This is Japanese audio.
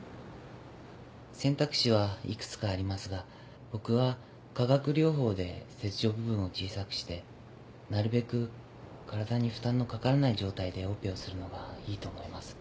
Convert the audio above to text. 選択肢はいくつかありますが僕は化学療法で切除部分を小さくしてなるべく体に負担のかからない状態でオペをするのがいいと思います。